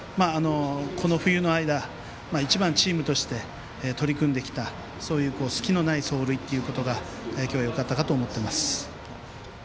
この冬の間、一番、チームとして取り組んできたそういう隙のない走塁が今日はよかったかと思っています。